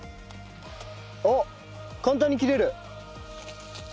おっ簡単に切れる。